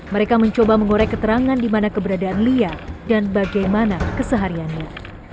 mereka mencoba mengorek keterangan di mana keberadaan lia dan bagaimana kesehariannya